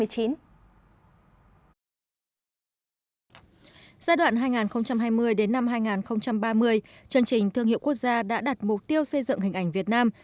giai đoạn hai nghìn hai mươi hai nghìn ba mươi chương trình thương hiệu quốc gia đã đặt mục tiêu xây dựng hình ảnh việt nam